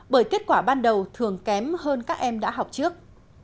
bởi kết quả ban đầu thường kém hơn các em đã học trước